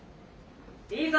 いいぞ！